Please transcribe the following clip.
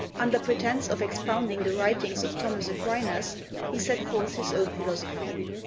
Under pretense of expounding the writings of Thomas Aquinas, he set forth his own philosophy.